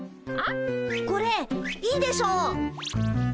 これいいでしょ。